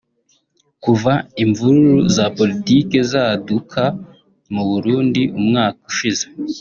Kuva imvururu za politiki zaduka mu Burundi umwaka ushize